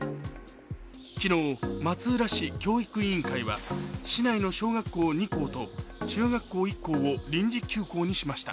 昨日、松浦市教育委員会は市内の小学校２校と中学校１校を臨時休校にしました。